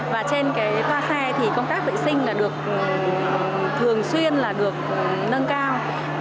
và trên toa xe thì công tác vệ sinh thường xuyên được nâng cao